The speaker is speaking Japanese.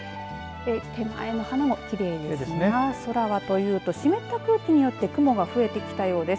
手前の花もきれいですが空はというと湿った空気によって雲が増えてきたようです。